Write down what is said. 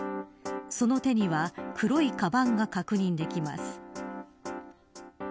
その手には黒いカバンが確認できます。